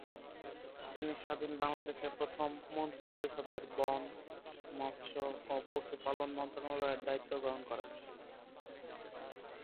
তিনি স্বাধীন বাংলাদেশে প্রথম মন্ত্রী পরিষদের বন, মৎস্য ও পশু পালন মন্ত্রনালয়ের দায়িত্ব গ্রহণ করেন।